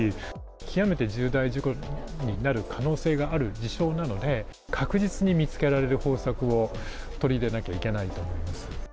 極めて重大事故になる可能性がある事象なので、確実に見つけられる方策を取り入れなきゃいけないと思います。